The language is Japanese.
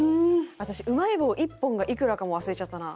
私うまい棒１本がいくらかも忘れちゃったな。